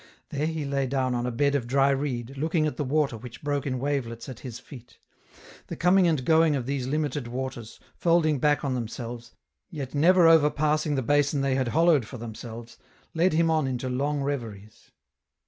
There he lay down on a bed of dry reed, looking at the water which broke in wavelets at his feet. The coming and going of these limited waters, folding back on themselves, yet never overpassing the basin they had hollowed for themselves, led him on into long reveries.